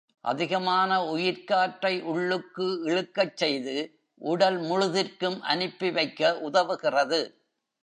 அதிகமான உயிர்க்காற்றை உள்ளுக்கு இழுக்கச் செய்து, உடல் முழுதிற்கும் அனுப்பி வைக்க உதவுகிறது.